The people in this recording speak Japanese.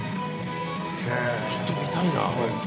ちょっと見たいな。